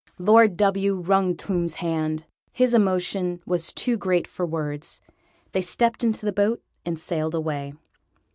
Lord W. wrung Tomb's hand: his emotion was too great for words. They stepped into the boat and sailed away.